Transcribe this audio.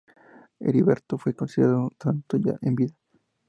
Heriberto fue considerado santo ya en vida.